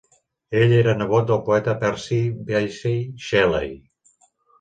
Ell era nebot del poeta Percy Bysshe Shelley.